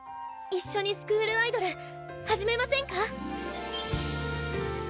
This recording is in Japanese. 一緒にスクールアイドル始めませんか？